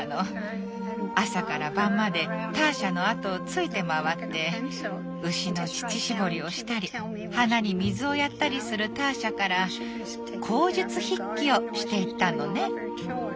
朝から晩までターシャの後をついて回って牛の乳搾りをしたり花に水をやったりするターシャから口述筆記をしていったのね。